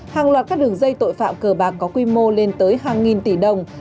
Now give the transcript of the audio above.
hàng loạt các đường dây tội phạm cờ bạc có quy mô lên tới hàng nghìn tỷ đồng